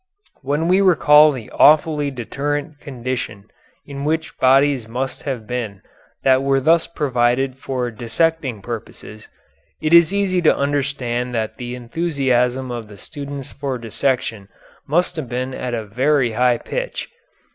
When we recall the awfully deterrent condition in which bodies must have been that were thus provided for dissecting purposes, it is easy to understand that the enthusiasm of the students for dissection must have been at a very high pitch.